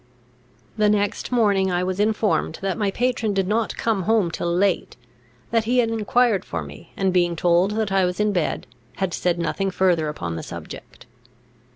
The next morning I was informed that my patron did not come home till late; that he had enquired for me, and, being told that I was in bed, had said nothing further upon the subject.